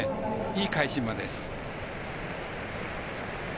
いい返し馬です。